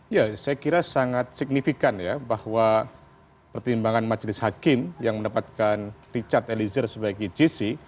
ya saya kira sangat signifikan ya bahwa pertimbangan majelis hakim yang mendapatkan richard eliezer sebagai gc